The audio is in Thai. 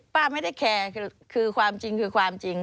ป้าไม่ได้แคร์คือความจริงคือความจริง